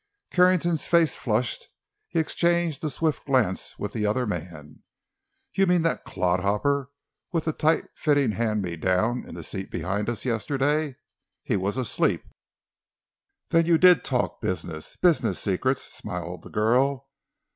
Carrington's face flushed; he exchanged a swift glance with the other man. "You mean that clodhopper with the tight fitting hand me down in the seat behind us—yesterday? He was asleep!" "Then you did talk business—business secrets," smiled the girl.